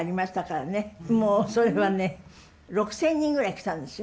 もうそれはね６，０００人ぐらい来たんですよ。